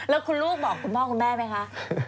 แล้วคุณลูกบอกคุณพ่อคุณแม่ไหมคะ